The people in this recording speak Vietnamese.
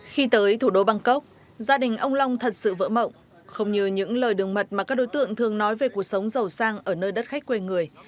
khi tới thủ đô bangkok gia đình ông long thật sự vỡ mộng không như những lời đường mật mà các đối tượng thường nói về cuộc sống giàu sang ở nơi đất khách quê người